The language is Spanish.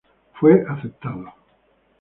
Fue aceptado.